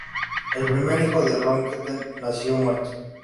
El primer hijo de Roentgen nació muerto.